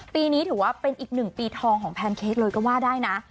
ปีนี้ถือว่าเป็นอีกหนึ่งปีทองของแพนเค้กเลยก็ว่าได้นะ